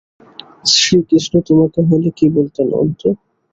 শ্রীকৃষ্ণ তোমাকে হলে কী বলতেন, অন্তু?